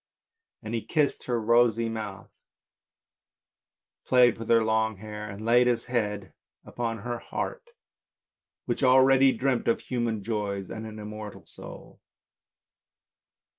And he kissed her rosy mouth, played with her long hair, and laid his head upon her heart, which already dreamt of human joys and an immortal soul.